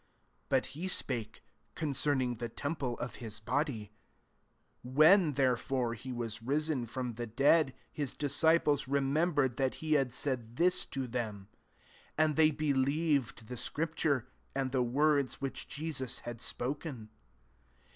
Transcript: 21 But he spake concerning the temple of his body. 22 When, therefore^ he was risen from the dead^ his disciples remembered that he had said this £to them] : and they believed the scripture, and the words which Jesus had spoken.